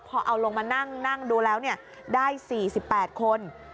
พอเอาลงมานั่งนั่งดูแล้วเนี่ยได้สี่สิบแปดคน